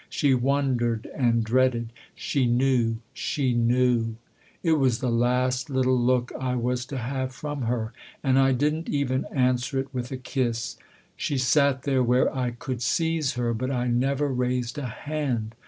She wondered and dreaded : she knew she knew ! It was the last little look I was to have from her, and I didn't even answer it with a kiss. She sat there where I could seize her, but I never raised a hand.